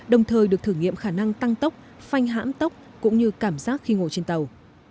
đồng thời được thử nghiệm khả năng tăng tốc phanh hãm tốc cũng như cảm giác khi ngồi trên tàu